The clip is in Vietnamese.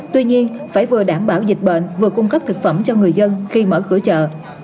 tuy nhiên phải vừa đảm bảo dịch bệnh vừa cung cấp thực phẩm cho người dân khi mở cửa chợ